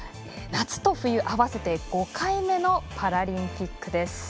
夏と冬、合わせて５回目のパラリンピックです。